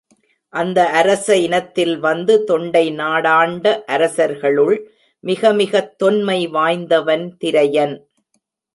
அந்த அரச இனத்தில் வந்து தொண்டை நாடாண்ட அரசர்களுள் மிகமிகத் தொன்மை வாய்ந்தவன் திரையன்.